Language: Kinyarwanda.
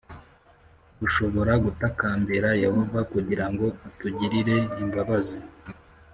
dushobora gutakambira Yehova kugira ngo atugirire imbabazi